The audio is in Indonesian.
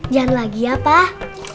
jangan lagi ya pak